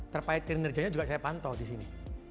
terkait kinerjanya juga saya pantau di sini